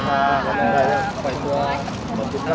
ถ้าเดี๋ยวต้องเรียบรับคำว่าขอบคุณค่ะ